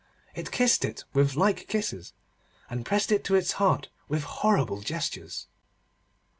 It kissed it with like kisses, and pressed it to its heart with horrible gestures.